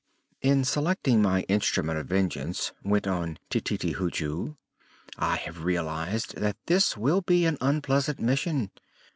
"In selecting my Instrument of Vengeance," went on Tititi Hoochoo, "I have realized that this will be an unpleasant mission.